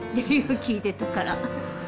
聞いてたから。